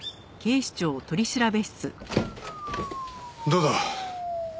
どうだ？